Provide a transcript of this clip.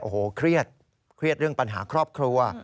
โอ้โหเครียดเครียดเรื่องปัญหาครอบครัว